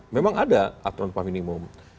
memang ada aturan upah minimum